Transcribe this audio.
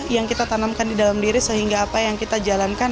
yang kita tanamkan di dalam diri sehingga apa yang kita jalankan